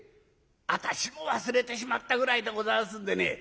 私も忘れてしまったぐらいでございますんでね